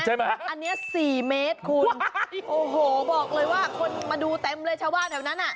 อันเนี้ยสี่เมตรคุณโอ้โหบอกเลยว่าคนมาดูเต็มเลยชาวบ้านแถวนั้นอ่ะ